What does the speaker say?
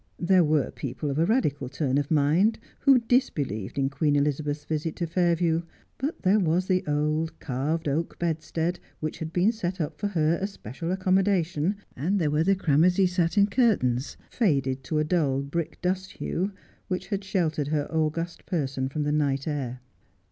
There were people of a radical turn of mind who disbelieved in Queen Elizabeth's visit to Fairview ; but there was the old carved oak bedstead, which had been set up for her especial accommodation, and there were the cramoisy satin curtains, faded to a dull brick dust hue, which had sheltered her august person from the night air.